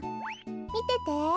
みてて。